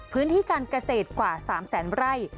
พื้นที่การเกษตรกว่า๓แสนไร่